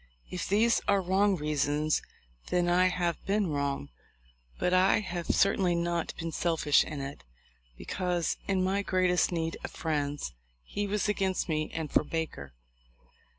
If these are wrong reasons then I have been wrong ; but I have certainly not been selfish in it, because in my greatest need of friends he was against me and for Baker."